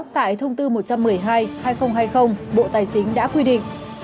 tại thông tư một trăm một mươi hai hai nghìn hai mươi bộ tài chính đã quy định